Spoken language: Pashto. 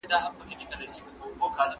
سازمانونو به د دوستۍ پیغامونه رسول.